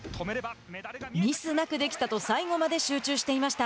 ミスなくできたと最後まで集中していました。